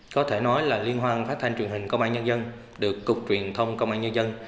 có thể nói là liên hoan phát thanh truyền hình công an nhân dân được cục truyền thông công an nhân dân